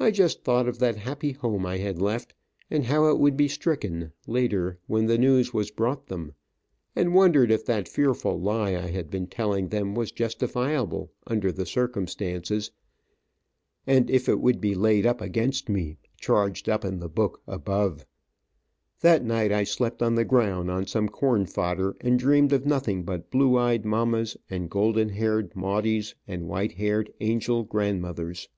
I just thought of that happy home I had left, and how it would be stricken, later, when the news was brought them, and wondered if that fearful lie I had been telling, them was justifiable, under the circumstances, and it it would be laid up against me, charged up in the book above. That night I slept on the ground on some corn fodder and dreamed of nothing but blue eyed mamma's and golden haired Maudie's and white haired angel grandmothers.